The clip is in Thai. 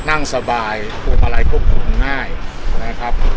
นั่งสบายพวงมาลัยควบคุมง่ายนะครับ